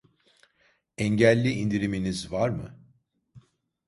Engelli indiriminiz var mı?